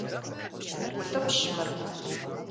УтӀыпщ мыр!